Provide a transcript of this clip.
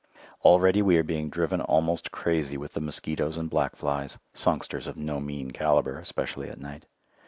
Already we are being driven almost crazy with the mosquitoes and black flies, songsters of no mean calibre, especially at night.